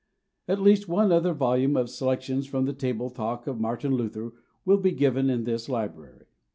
At least one other volume of Selections from the Table Talk of Martin Luther will be given in this Library.